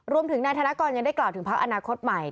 รวมถึงนายธนกรยังได้กล่าวถึงพักอนาคตใหม่